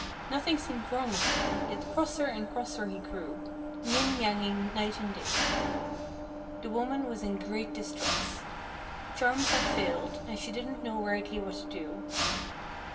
Nothing seemed wrong with him, yet crosser and crosser he grew, nying nyanging night and day. The woman was in great distress. Charms had failed, and she didn't know rightly what to do.